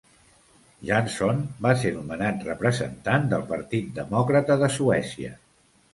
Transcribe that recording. Jansson va ser nomenat representant del Partit Demòcrata de Suècia.